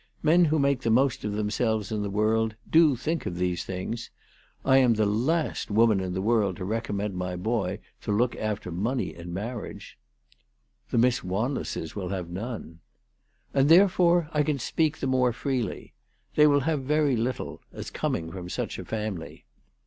Men who make the most of themselves in the world do think of these things. I am the last woman in the world to recommend my boy to look after money in marriage." " The Miss Wanlesses will have none." " And therefore I can speak the more freely. They will have very little, as coming from such a family.